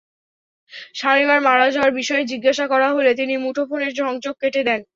শামিমার মারা যাওয়ার বিষয়ে জিজ্ঞাসা করা হলে তিনি মুঠোফোনের সংযোগ কেটে দেন।